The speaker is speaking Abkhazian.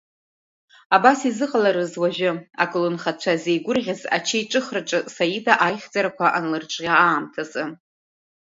Абас изыҟаларыз уажәы, аколнхацәа зеигәырӷьаз ачаиҿыхраҿы Саида аихьӡарақәа анлырҿиа аамҭазы?